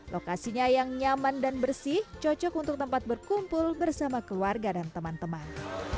lokasinya yang nyaman dan bersih cocok untuk tempat berkumpul bersama keluarga dan teman teman